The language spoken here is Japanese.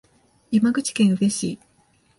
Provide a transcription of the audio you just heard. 山口県宇部市